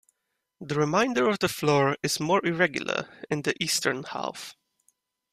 The remainder of the floor is more irregular in the eastern half.